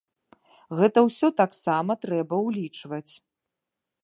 Гэта ўсё таксама трэба ўлічваць.